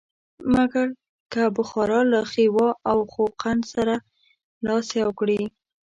مګر که بخارا له خیوا او خوقند سره لاس یو کړي.